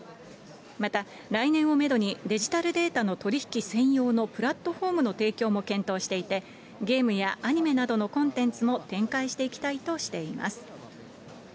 また来年をメドに、デジタルデータの取り引き専用のプラットフォームの提供も検討していて、ゲームやアニメなどのコンテンツも展開していきたいとしています。